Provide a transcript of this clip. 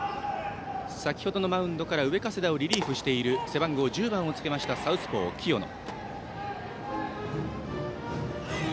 先程のマウンドから上加世田をリリーフしている背番号１０番をつけましたサウスポーの清野。